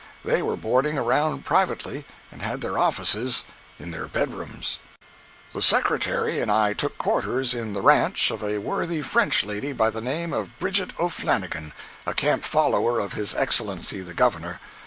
They were boarding around privately, and had their offices in their bedrooms. 161.jpg (63K) The Secretary and I took quarters in the "ranch" of a worthy French lady by the name of Bridget O'Flannigan, a camp follower of his Excellency the Governor.